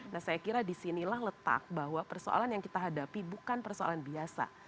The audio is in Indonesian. nah saya kira disinilah letak bahwa persoalan yang kita hadapi bukan persoalan biasa